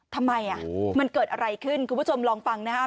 ทำไมมันเกิดอะไรขึ้นคุณผู้ชมลองฟังนะฮะ